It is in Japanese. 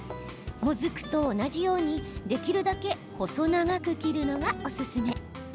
もずくと同じように、できるだけ細長く切るのがおすすめ。